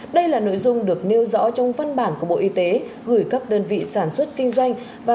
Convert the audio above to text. đây là nội dung được nêu rõ trong văn bản của bộ y tế gửi các đơn vị sản xuất kinh doanh